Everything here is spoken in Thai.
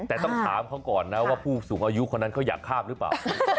แต่ต้องถามเขาก่อนนะว่าผู้สูงอายุคนนั้นเขาอยากข้ามหรือเปล่า